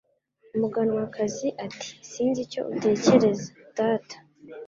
Umuganwakazi ati: "Sinzi icyo utekereza, Data".